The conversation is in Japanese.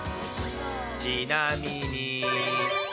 ちなみに。